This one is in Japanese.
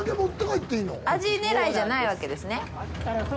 アジ狙いじゃないわけですね。